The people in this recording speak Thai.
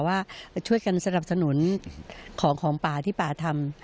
ว่าช่วยกันสนับสนุนของของป่าที่ป่าทำ